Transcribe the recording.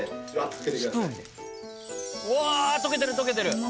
溶けてる溶けてる。